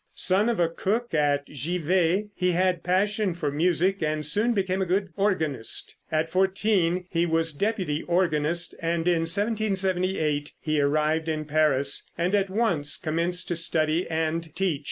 Son of a cook at Givet, he had passion for music, and soon became a good organist. At fourteen he was deputy organist, and in 1778 he arrived in Paris and at once commenced to study and teach.